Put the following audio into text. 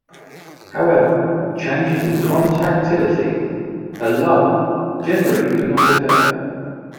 However, changes in contractility alone generally do not occur.